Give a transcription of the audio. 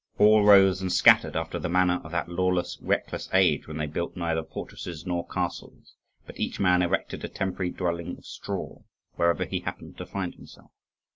All rose and scattered after the manner of that lawless, reckless age, when they built neither fortresses nor castles, but each man erected a temporary dwelling of straw wherever he happened to find himself.